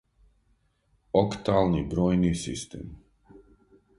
октални бројни систем